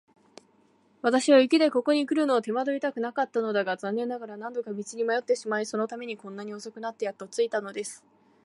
私は雪でここにくるのを手間取りたくなかったのだが、残念ながら何度か道に迷ってしまい、そのためにこんなに遅くなってやっと着いたのです。